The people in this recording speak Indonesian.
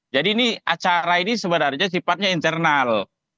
jadi acara ini sebenarnya sifatnya internal